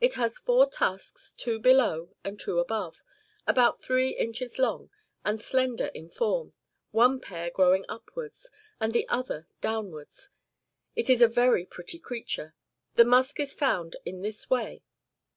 It has four tusks, two below and two above, about three inches long, and slender in form, one pair growing upwards, and the other downwards? It is a very pretty creature. The musk is found in this way.